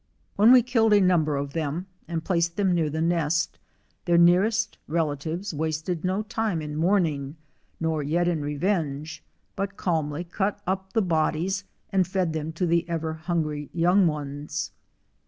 When we killed a number of them and placed them near the nest, their nearest relatives wasted no time in mourning, nor yet in revenge, but calmly cut up the bodies and fed them to the ever hungry young ones.